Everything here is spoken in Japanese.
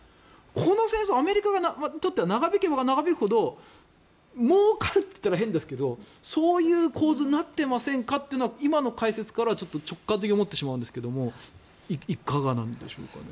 この戦争、アメリカにとっては長引けば長引くほどもうかるといったら変ですがそういう構図になっていませんかというのは今の解説からは直感的に思ってしまうんですがいかがなんでしょうか。